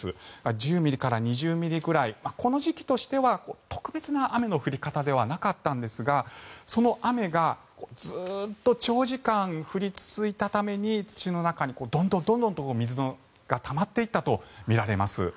１０ミリから２０ミリくらいこの時期としては特別な雨の降り方ではなかったんですがその雨がずっと長時間降り続いたために土の中にどんどん水がたまっていたとみられます。